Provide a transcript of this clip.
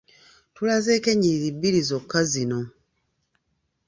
Tulazeeko ennyiriri bbiri zokka zino.